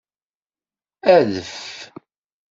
Adf!